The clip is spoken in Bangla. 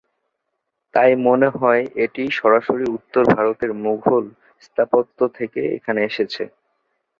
তাই মনে হয়, এটি সরাসরি উত্তর-ভারতের মুগল স্থাপত্য থেকে এখানে এসেছে।